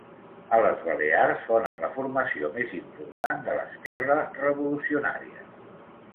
A les Balears foren la formació més important de l'esquerra revolucionària.